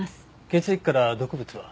血液から毒物は？